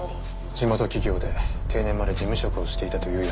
地元企業で定年まで事務職をしていたという山際さん。